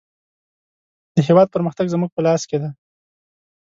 د هېواد پرمختګ زموږ په لاس کې دی.